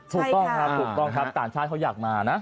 ถูกต้องครับต่างชายเขาอยากมานะ